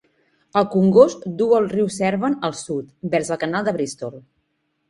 El congost duu el riu Severn al sud, vers el canal de Bristol.